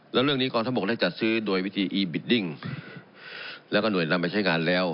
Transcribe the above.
แล้วเรื่องนี้กองทบกได้จัดซื้อโดยวิธีอีบิดดิ้งแล้วก็หน่วยนำไปใช้งานแล้ว